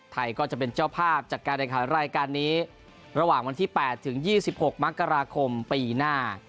ไทยก็จะเป็นเจ้าภาพจัดการแข่งขันรายการนี้ระหว่างวันที่๘ถึง๒๖มกราคมปีหน้า